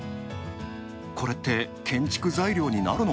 これって建築材料になるの？